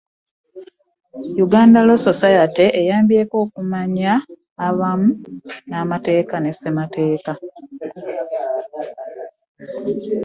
Uganda Law Society eyambyeko okumanyisa abantu amateeka ne Ssemateeka.